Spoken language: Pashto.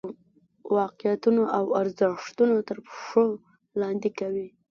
واقعیتونه او ارزښتونه تر پښو لاندې کوي.